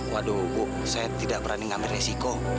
waduh bu saya tidak berani ngambil resiko